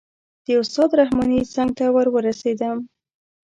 د استاد رحماني څنګ ته ور ورسېدم.